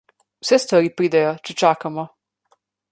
Vse stvari pridejo, če čakamo.